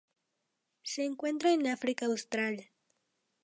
Se encuentra en África Austral.